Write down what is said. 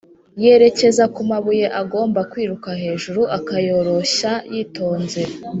yerekeza kumabuye agomba kwiruka hejuru, akayoroshya yitonze.